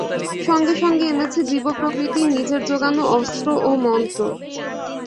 সঙ্গে সঙ্গে এনেছি জীবপ্রকৃতির নিজের জোগানো অস্ত্র ও মন্ত্র।